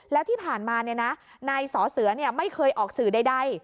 แล้วที่ผ่านมาเนี่ยนะนายสอเสือเนี่ยไม่เคยออกสื่อใดใด